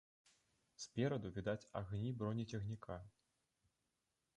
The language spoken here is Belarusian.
Спераду відаць агні бронецягніка.